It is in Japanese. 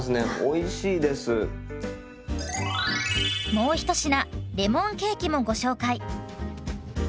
もう一品レモンケーキもご紹介。